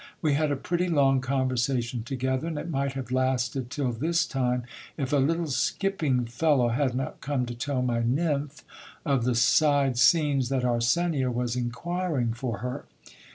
We had a pretty long conversation together, and it might have lasted till this time, if a little skipping fellow had not come to tell my nymph of the side scenes that Arsenia was inquiring for her.